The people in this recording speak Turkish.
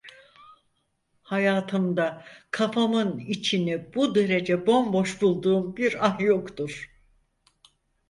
Hayatımda kafamın içini bu derece bomboş bulduğum bir an yoktur.